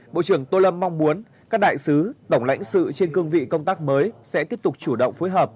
bộ trưởng tô lâm mong muốn các đại sứ tổng lãnh sự trên cương vị công tác mới sẽ tiếp tục chủ động phối hợp